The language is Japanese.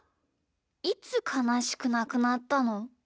いつかなしくなくなったの？